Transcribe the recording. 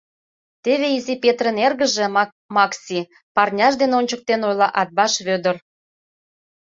— Теве Изи Петрын эргыже, Макси, — парняж дене ончыктен ойла Атбаш Вӧдыр.